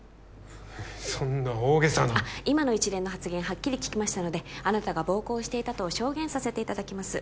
そんな大げさな今の一連の発言はっきり聞きましたのであなたが暴行をしていたと証言させていただきます